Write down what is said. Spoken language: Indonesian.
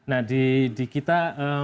nah di kita